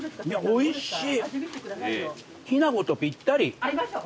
おいしい？